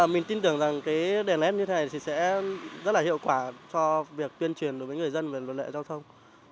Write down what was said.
mình tin tưởng rằng cái đèn nếp như thế này thì sẽ rất là hiệu quả cho việc tuyên truyền đối với người dân về luật lệ giao thông